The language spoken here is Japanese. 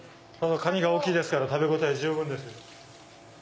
カニが大きいですから食べ応え十分ですよ。